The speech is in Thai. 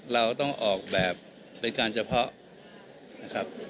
เราต้องออกแบบเป็นการเฉพาะนะครับ